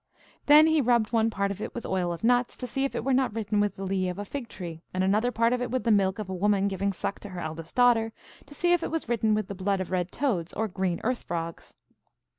Then he rubbed one part of it with oil of nuts, to see if it were not written with the lee of a fig tree, and another part of it with the milk of a woman giving suck to her eldest daughter, to see if it was written with the blood of red toads or green earth frogs.